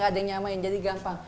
ada yang nyamain jadi gampang